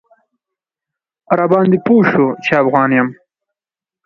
راباندې پوی شو چې افغان یم.